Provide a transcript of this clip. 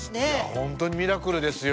本当にミラクルですよ。